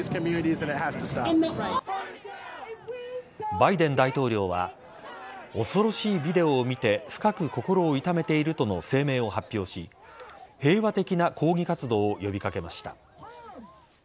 バイデン大統領は恐ろしいビデオを見て深く心を痛めているとの声明を発表し平和的な抗議活動を呼び掛けました。